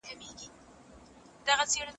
صدقه ورکول بلاوې لرې کوي.